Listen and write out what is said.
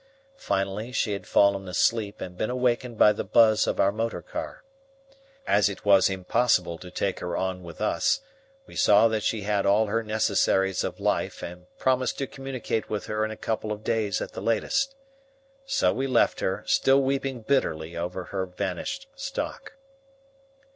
Finally she had fallen asleep and been awakened by the buzz of our motor car. As it was impossible to take her on with us, we saw that she had all necessaries of life and promised to communicate with her in a couple of days at the latest. So we left her, still weeping bitterly over her vanished stock.